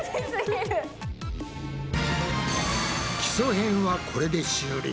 基礎編はこれで終了。